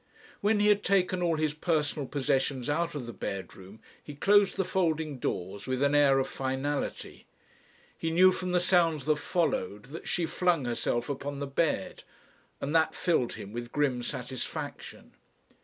When he had taken all his personal possessions out of the bedroom, he closed the folding doors with an air of finality. He knew from the sounds that followed that she flung herself upon the bed, and that filled him with grim satisfaction.